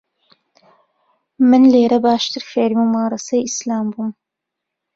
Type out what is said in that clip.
من لێرە باشتر فێری مومارەسەی ئیسلام بووم.